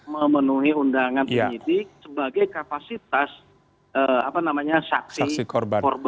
memenuhi undangan penyidik sebagai kapasitas saksi korban